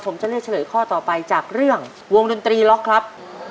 ผมจะเลือกเฉลยข้อต่อไปจากเรื่องวงดนตรีล็อกครับ